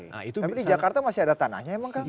tapi di jakarta masih ada tanahnya emang kan